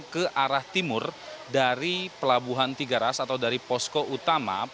ke arah timur dari pelabuhan tiga ras atau dari posko utama